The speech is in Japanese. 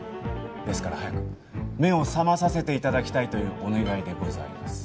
ですから早く目を覚まさせて頂きたいというお願いでございます。